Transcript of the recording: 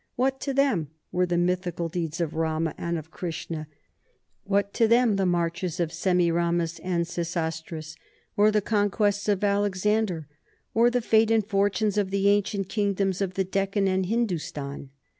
What to them were the mythical deeds of Rama and of Krishna; what to them the marches of Semiramis and Sesostris, or the conquests of Alexander, or the fate and fortunes of the ancient kingdoms of the Deccan and Hindostan?